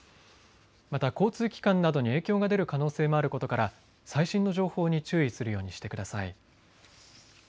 また交通機関などに影響が出る可能性もあることから最新の情報に注意するようにしてください。